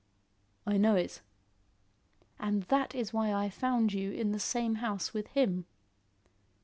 "I know it." "And that is why I found you in the same house with him."